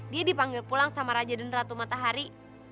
dia dipanggil pulang sama raja dan ratu matahari